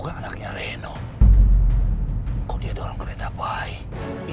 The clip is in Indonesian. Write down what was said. leluhur semua uprising di sini